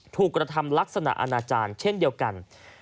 กระทำลักษณะอาณาจารย์เช่นเดียวกัน